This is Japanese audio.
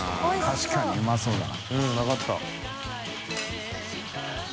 確かにうまそうだな。